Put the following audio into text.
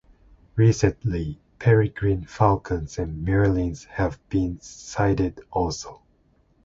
Recently, peregrine falcons and merlins have been sighted also.